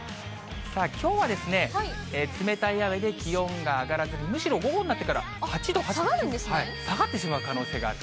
きょうは冷たい雨で、気温が上がらず、むしろ午後になってから８度と、下がってしまう可能性がある。